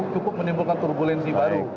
cukup menimbulkan turbulensi baru